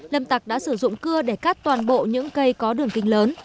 lâm tạc đã sử dụng cưa để cắt toàn bộ những cây có đường kinh lớn